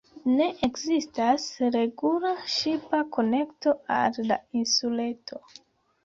Ne ekzistas regula ŝipa konekto al la insuleto.